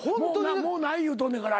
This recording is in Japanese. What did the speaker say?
もうない言うとんねんから。